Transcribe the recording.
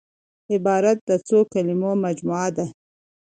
عبارت د څو کليمو مجموعه ده.